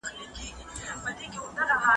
ایا ته پوهېږې چي مننه د محبت کلي ده؟